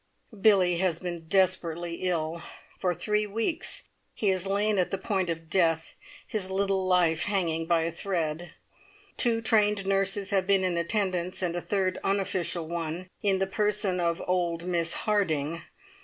Billie has been desperately ill. For three weeks he has lain at the point of death, his little life hanging by a thread. Two trained nurses have been in attendance, and a third unofficial one, in the person of old Miss Harding!